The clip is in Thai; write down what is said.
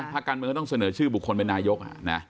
ภาคการเมืองก็ต้องเสนอชื่อบุคคลเป็นนายก